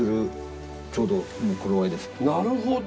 なるほど。